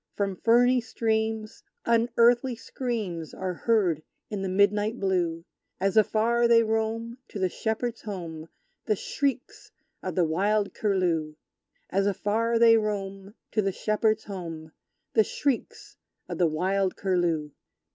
From ferny streams, unearthly screams Are heard in the midnight blue; As afar they roam to the shepherd's home, The shrieks of the wild Curlew! As afar they roam To the shepherd's home, The shrieks of the wild Curlew!